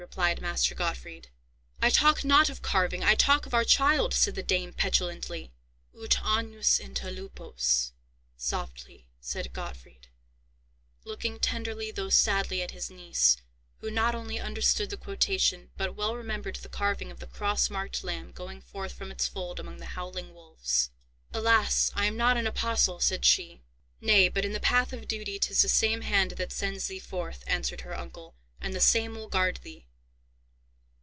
replied Master Gottfried. "I talk not of carving! I talk of our child!" said the dame, petulantly. "Ut agnus inter lupos," softly said Gottfried, looking tenderly, though sadly, at his niece, who not only understood the quotation, but well remembered the carving of the cross marked lamb going forth from its fold among the howling wolves. "Alas! I am not an apostle," said she. "Nay, but, in the path of duty, 'tis the same hand that sends thee forth," answered her uncle, "and the same will guard thee."